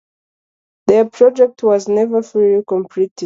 Their project was never fully completed.